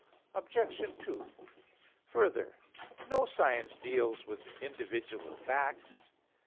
Obj. 2: Further, no science deals with individual facts.